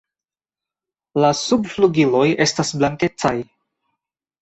La subflugiloj estas blankecaj.